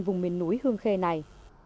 vùng miền núi hương khê này